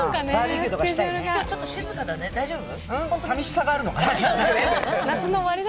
ちょっと静かだね、大丈夫？